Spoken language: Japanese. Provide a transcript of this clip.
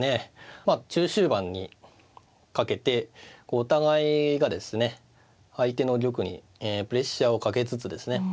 まあ中終盤にかけてお互いがですね相手の玉にプレッシャーをかけつつですね